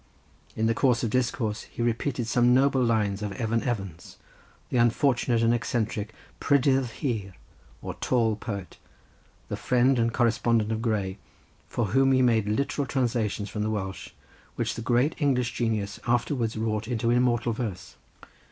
In the course of discourse he repeated some noble lines of Evan Evans, the unfortunate and eccentric Prydydd Hir, or tall poet, the friend and correspondent of Gray, for whom he made literal translations from the Welsh, which the great English genius afterwards wrought into immortal verse.